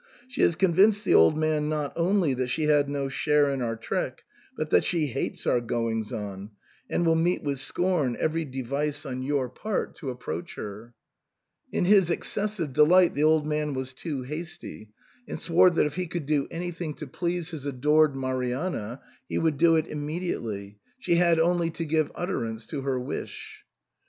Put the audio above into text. She has convinced the old man, not only that she had no share in our trick, but that she hates our goings on, and will meet with scorn every device on your part to SIGNOR FORMICA. 117 approach her. In his excessive delight the old man was too hasty, and swore that if he could do anything to please his adored Marianna he would do it imme diately, she had only to give utterance to her wish.